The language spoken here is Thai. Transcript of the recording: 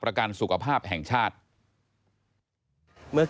พบหน้าลูกแบบเป็นร่างไร้วิญญาณ